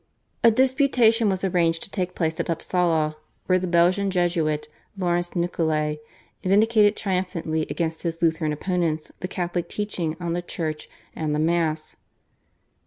A disputation was arranged to take place at Upsala, where the Belgian Jesuit, Laurence Nicolai, vindicated triumphantly against his Lutheran opponents the Catholic teaching on the Church and the Mass.